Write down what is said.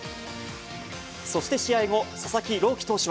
そして試合後、佐々木朗希投